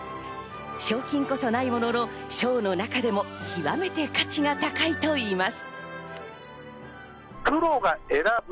賞金こそないものの、賞の中でも極めて価値が高いといいます。